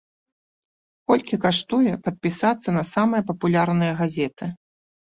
Колькі каштуе падпісацца на самыя папулярныя газеты?